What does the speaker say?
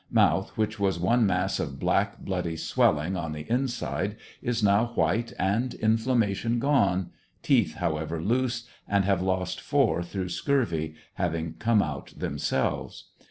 Mouth, which was one mass of black bloody swellings on the inside, is now white and inflamation gone, teeth however, loose, and have lost four through scurvy, having come out themselves.